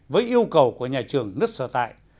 với yêu cầu của nhà trường nước sở tại